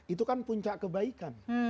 itu kan puncak kebaikan